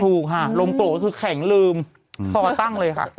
ถูกค่ะลมโกรธคือแข็งลืมคอตั้งเลยค่ะ